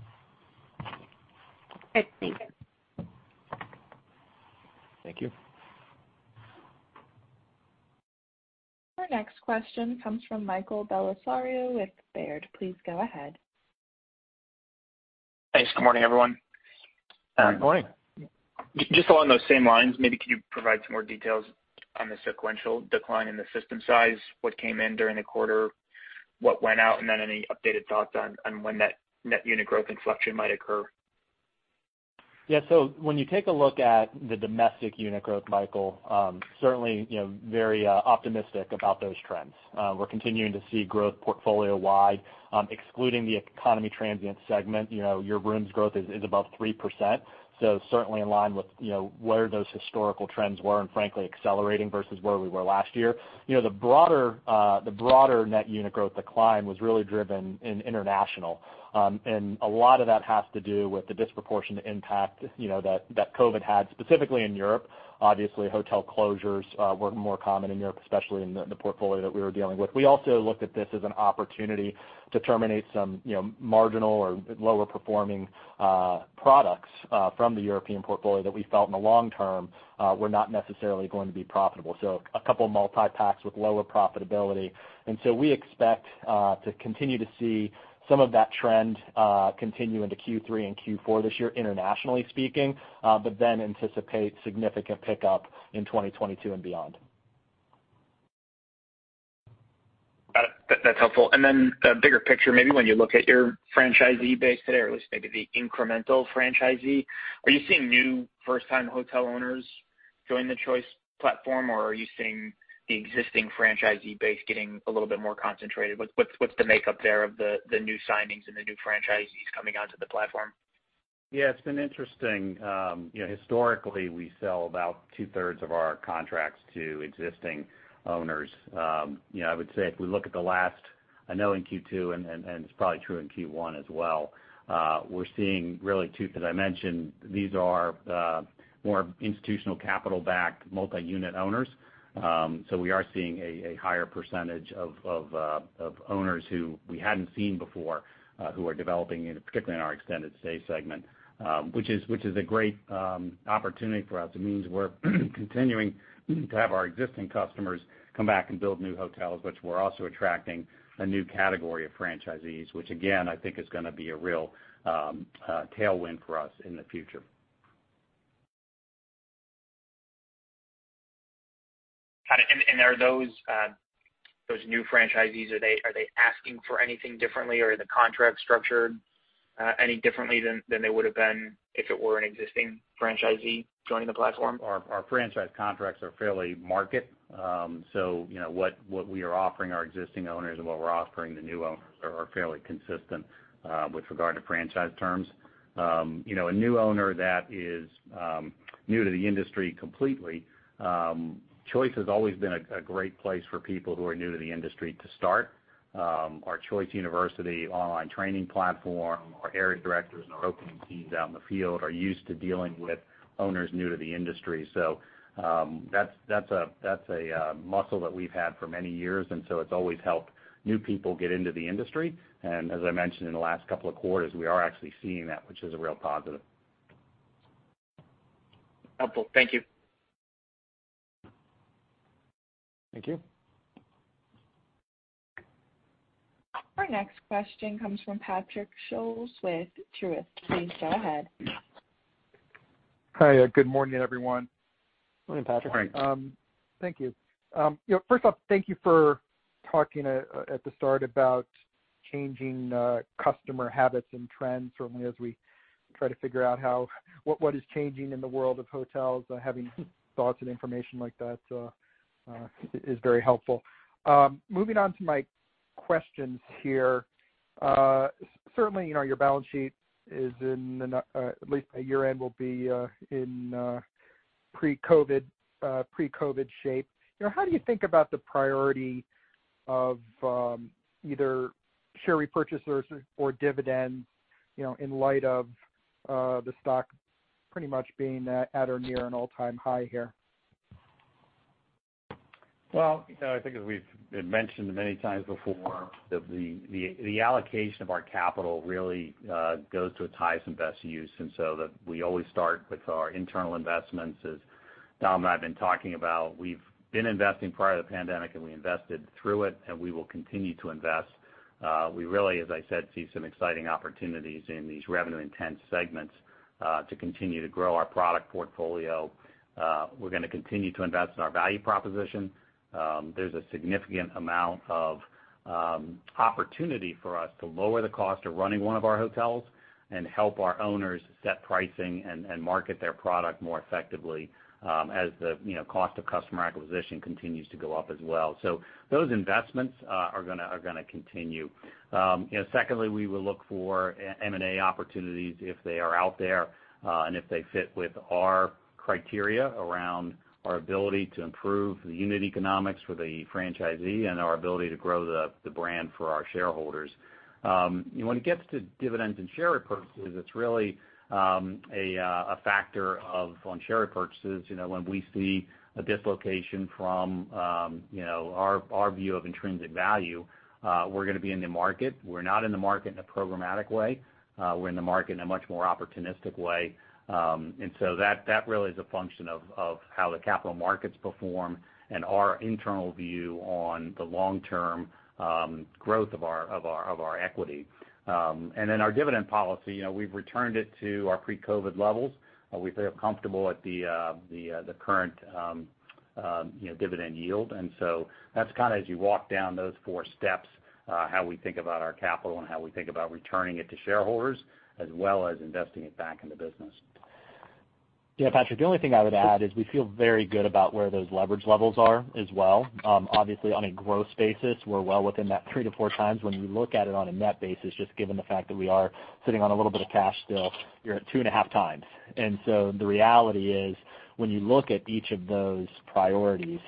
Great. Thank you. Thank you. Our next question comes from Michael Bellisario with Baird. Please go ahead. Thanks. Good morning, everyone. Good morning. Along those same lines, maybe could you provide some more details on the sequential decline in the system size? What came in during the quarter, what went out, and then any updated thoughts on when that net unit growth inflection might occur? Yeah. When you take a look at the domestic unit growth, Michael, certainly, very optimistic about those trends. We're continuing to see growth portfolio wide, excluding the economy transient segment. Your rooms growth is above 3%, so certainly in line with where those historical trends were and frankly, accelerating versus where we were last year. The broader net unit growth decline was really driven in international. A lot of that has to do with the disproportionate impact that COVID-19 had specifically in Europe. Obviously, hotel closures were more common in Europe, especially in the portfolio that we were dealing with. We also looked at this as an opportunity to terminate some marginal or lower performing products from the European portfolio that we felt in the long term, were not necessarily going to be profitable. A couple of multi-packs with lower profitability. We expect to continue to see some of that trend continue into Q3 and Q4 this year, internationally speaking, but then anticipate significant pickup in 2022 and beyond. Got it. That's helpful. The bigger picture, maybe when you look at your franchisee base today, or at least maybe the incremental franchisee, are you seeing new first time hotel owners join the Choice platform, or are you seeing the existing franchisee base getting a little bit more concentrated? What's the makeup there of the new signings and the new franchisees coming onto the platform? It's been interesting. Historically, we sell about two-thirds of our contracts to existing owners. I would say if we look at the last, I know in Q2, and it's probably true in Q1 as well, we're seeing really two, because I mentioned these are more institutional capital-backed multi-unit owners. We are seeing a higher percentage of owners who we hadn't seen before, who are developing, particularly in our extended stay segment, which is a great opportunity for us. It means we're continuing to have our existing customers come back and build new hotels, but we're also attracting a new category of franchisees, which again, I think is going to be a real tailwind for us in the future. Got it. Are those new franchisees asking for anything differently, or are the contracts structured any differently than they would have been if it were an existing franchisee joining the platform? Our franchise contracts are fairly market. What we are offering our existing owners and what we're offering the new owners are fairly consistent with regard to franchise terms. A new owner that is new to the industry completely, Choice has always been a great place for people who are new to the industry to start. Our Choice University online training platform, our area directors, and our opening teams out in the field are used to dealing with owners new to the industry. That's a muscle that we've had for many years, and so it's always helped new people get into the industry. As I mentioned in the last couple of quarters, we are actually seeing that, which is a real positive. Helpful. Thank you. Thank you. Our next question comes from Patrick Scholes with Truist. Please go ahead. Hi. Good morning, everyone. Morning, Patrick. Morning. Thank you. First off, thank you for talking at the start about changing customer habits and trends, certainly as we try to figure out what is changing in the world of hotels, having thoughts and information like that is very helpful. Moving on to my questions here. Certainly, your balance sheet, at least by year-end, will be in pre-COVID shape. How do you think about the priority of either share repurchases or dividends, in light of the stock pretty much being at or near an all-time high here? I think as we've mentioned many times before, the allocation of our capital really goes to its highest and best use. We always start with our internal investments. As Dom and I have been talking about, we've been investing prior to the pandemic, and we invested through it, and we will continue to invest. We really, as I said, see some exciting opportunities in these revenue-intense segments to continue to grow our product portfolio. We're going to continue to invest in our value proposition. There's a significant amount of opportunity for us to lower the cost of running one of our hotels and help our owners set pricing and market their product more effectively as the cost of customer acquisition continues to go up as well. Those investments are going to continue. Secondly, we will look for M&A opportunities if they are out there and if they fit with our criteria around our ability to improve the unit economics for the franchisee and our ability to grow the brand for our shareholders. When it gets to dividends and share repurchases, it's really a factor of, on share repurchases, when we see a dislocation from our view of intrinsic value, we're going to be in the market. We're not in the market in a programmatic way. We're in the market in a much more opportunistic way. That really is a function of how the capital markets perform and our internal view on the long-term growth of our equity. Our dividend policy, we've returned it to our pre-COVID-19 levels. We feel comfortable at the current dividend yield. That's kind of as you walk down those four steps how we think about our capital and how we think about returning it to shareholders as well as investing it back in the business. Yeah, Patrick, the only thing I would add is we feel very good about where those leverage levels are as well. On a growth basis, we're well within that three to four times. When you look at it on a net basis, just given the fact that we are sitting on a little bit of cash still, you're at 2.5 times. The reality is, when you look at each of those priorities,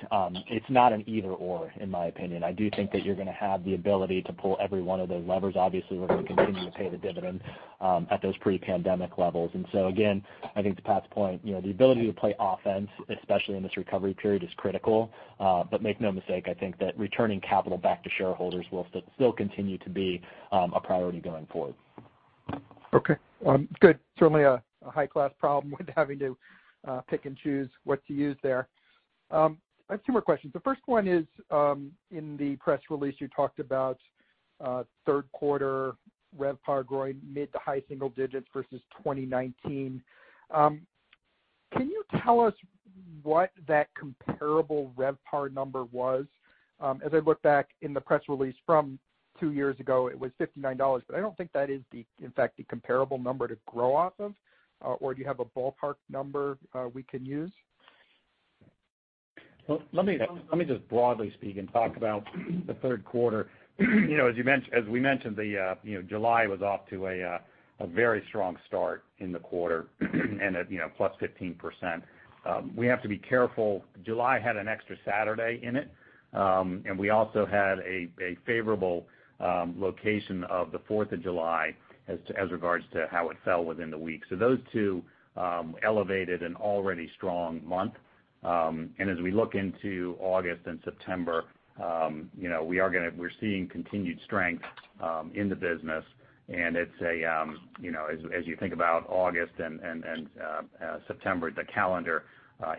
it's not an either/or in my opinion. I do think that you're going to have the ability to pull every one of those levers. We're going to continue to pay the dividend at those pre-pandemic levels. Again, I think to Pat's point, the ability to play offense, especially in this recovery period, is critical. Make no mistake, I think that returning capital back to shareholders will still continue to be a priority going forward. Okay. Good. Certainly a high-class problem with having to pick and choose what to use there. I have two more questions. The first one is, in the press release you talked about third quarter RevPAR growing mid to high single digits versus 2019. Can you tell us what that comparable RevPAR number was? As I look back in the press release from two years ago, it was $59, but I don't think that is in fact the comparable number to grow off of. Or do you have a ballpark number we can use? Let me just broadly speak and talk about the third quarter. As we mentioned, July was off to a very strong start in the quarter and at +15%. We have to be careful. July had an extra Saturday in it. We also had a favorable location of the 4th of July as regards to how it fell within the week. Those two elevated an already strong month. As we look into August and September, we're seeing continued strength in the business. As you think about August and September, the calendar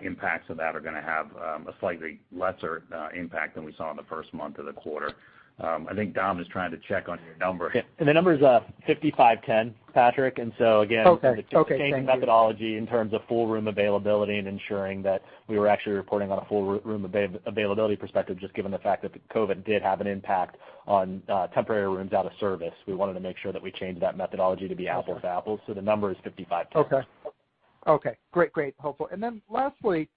impacts of that are going to have a slightly lesser impact than we saw in the first month of the quarter. I think Dom is trying to check on your number. Yeah. The number's 5510, Patrick. Okay. Thank you just changing methodology in terms of full room availability and ensuring that we were actually reporting on a full room availability perspective, just given the fact that COVID did have an impact on temporary rooms out of service. We wanted to make sure that we changed that methodology to be apples to apples. The number is 5510. Okay. Great. Helpful. Lastly,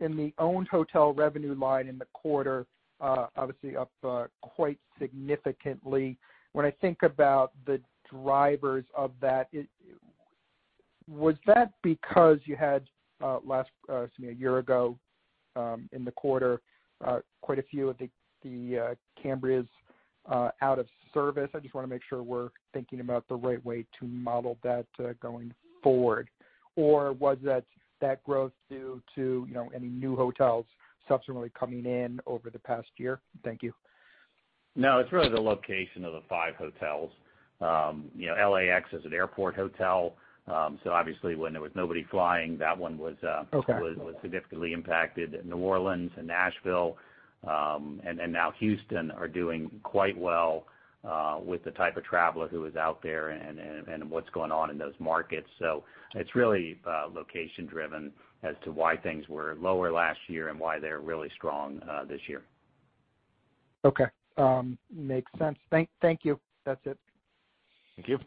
in the owned hotel revenue line in the quarter, obviously up quite significantly. When I think about the drivers of that, was that because you had a year ago in the quarter quite a few of the Cambrias out of service? I just want to make sure we're thinking about the right way to model that going forward. Was that growth due to any new hotels subsequently coming in over the past year? Thank you. No, it's really the location of the five hotels. LAX is an airport hotel, so obviously when there was nobody flying, that one was- Okay significantly impacted. New Orleans and Nashville, and now Houston are doing quite well with the type of traveler who is out there and what's going on in those markets. It's really location driven as to why things were lower last year and why they're really strong this year. Okay. Makes sense. Thank you. That's it. Thank you.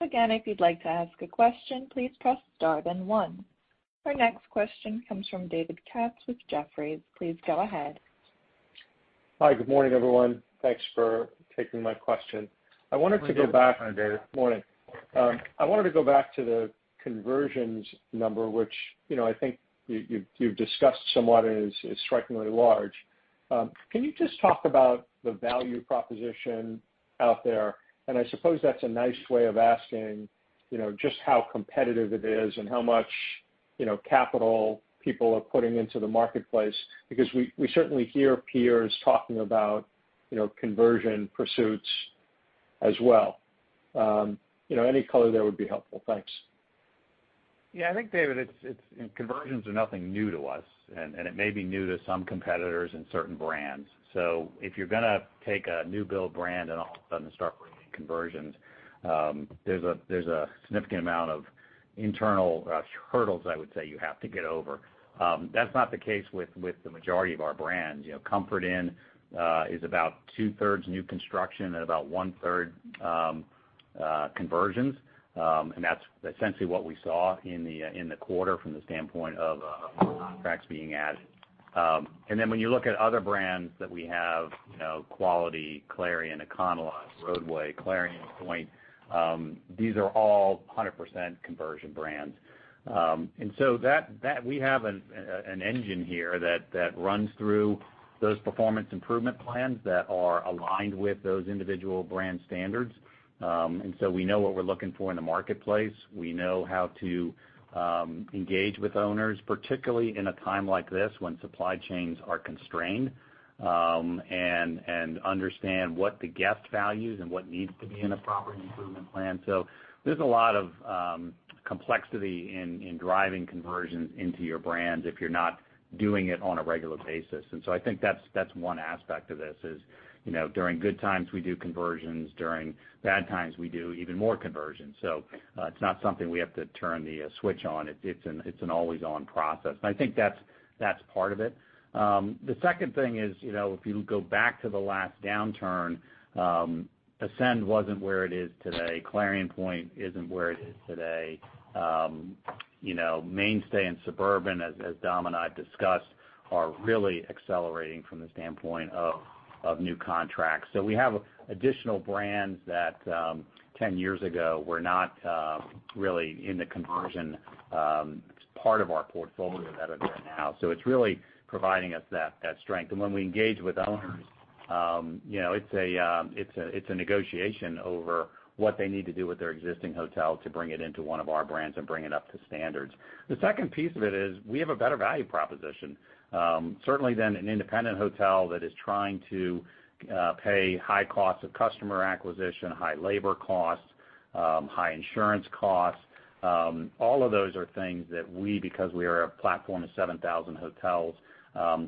Again if you would like to ask a question please press star then one. Our next question comes from David Katz with Jefferies. Please go ahead. Hi. Good morning, everyone. Thanks for taking my question. Thank you. Hi, David. Morning. I wanted to go back to the conversions number, which I think you've discussed somewhat is strikingly large. Can you just talk about the value proposition out there? I suppose that's a nice way of asking, just how competitive it is and how much capital people are putting into the marketplace, because we certainly hear peers talking about conversion pursuits as well. Any color there would be helpful. Thanks. Yeah. I think, David, conversions are nothing new to us, and it may be new to some competitors and certain brands. If you're going to take a new build brand and all of a sudden start working conversions, there's a significant amount of internal hurdles I would say you have to get over. That's not the case with the majority of our brands. Comfort Inn is about two-thirds new construction and about one-third conversions. That's essentially what we saw in the quarter from the standpoint of contracts being added. When you look at other brands that we have, Quality, Clarion, Econo Lodge, Rodeway, Clarion Pointe, these are all 100% conversion brands. We have an engine here that runs through those performance improvement plans that are aligned with those individual brand standards. We know what we're looking for in the marketplace. We know how to engage with owners, particularly in a time like this when supply chains are constrained, and understand what the guest values and what needs to be in a property improvement plan. There's a lot of complexity in driving conversions into your brands if you're not doing it on a regular basis. I think that's one aspect of this is, during good times, we do conversions, during bad times, we do even more conversions. It's not something we have to turn the switch on. It's an always-on process. I think that's part of it. The second thing is, if you go back to the last downturn, Ascend wasn't where it is today. Clarion Pointe isn't where it is today. Mainstay and Suburban, as Dom and I discussed, are really accelerating from the standpoint of new contracts. We have additional brands that, 10 years ago, were not really in the conversion part of our portfolio that are there now. It's really providing us that strength. When we engage with owners, it's a negotiation over what they need to do with their existing hotel to bring it into one of our brands and bring it up to standards. The second piece of it is we have a better value proposition, certainly than an independent hotel that is trying to pay high costs of customer acquisition, high labor costs, high insurance costs. All of those are things that we, because we are a platform of 7,000 hotels,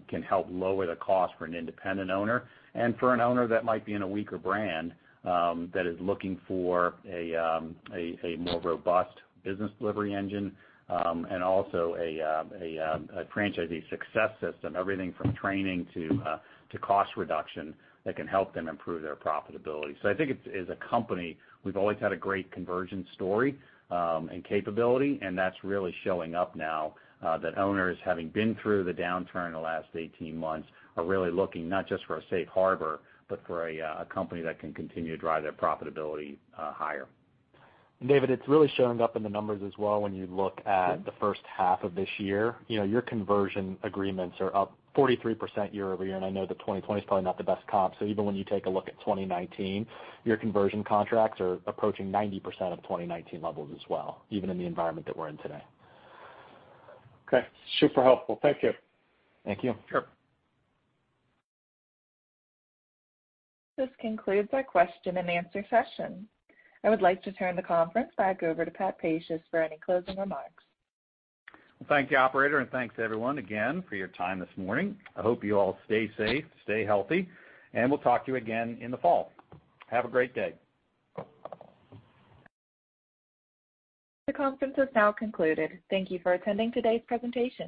can help lower the cost for an independent owner and for an owner that might be in a weaker brand, that is looking for a more robust business delivery engine, and also a franchisee success system, everything from training to cost reduction that can help them improve their profitability. I think as a company, we've always had a great conversion story, and capability, and that's really showing up now, that owners having been through the downturn in the last 18 months are really looking not just for a safe harbor, but for a company that can continue to drive their profitability higher. David, it's really showing up in the numbers as well when you look at the first half of this year. Your conversion agreements are up 43% year-over-year, and I know that 2020 is probably not the best comp. Even when you take a look at 2019, your conversion contracts are approaching 90% of 2019 levels as well, even in the environment that we're in today. Okay. Super helpful. Thank you. Thank you. Sure. This concludes our question-and-answer session. I would like to turn the conference back over to Pat Pacious for any closing remarks. Thank you, operator, and thanks everyone again for your time this morning. I hope you all stay safe, stay healthy, and we'll talk to you again in the fall. Have a great day. The conference has now concluded. Thank you for attending today's presentation